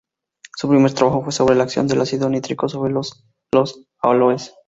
Su primer trabajo fue sobre la acción del ácido nítrico sobre los aloes.